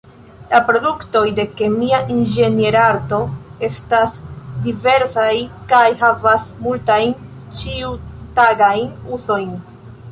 La produktoj de kemia inĝenierarto estas diversaj kaj havas multajn ĉiutagajn uzojn.